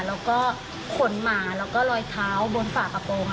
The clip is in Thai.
แล้วก็ขนหมาแล้วก็รอยเท้าบนฝากระโปรง